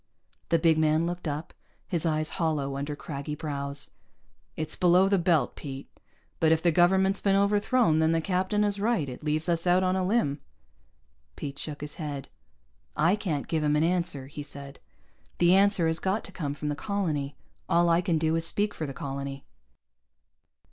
The big man looked up, his eyes hollow under craggy brows. "It's below the belt, Pete. But if the government's been overthrown, then the captain is right. It leaves us out on a limb." Pete shook his head. "I can't give him an answer," he said. "The answer has got to come from the colony. All I can do is speak for the colony."